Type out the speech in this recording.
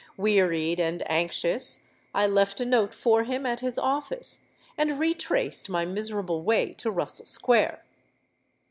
Wearied and anxious, I left a note for him at his office, and retraced my miserable way to Russell Square.